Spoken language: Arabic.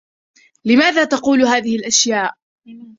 لماذا تقول هذه الأشياء؟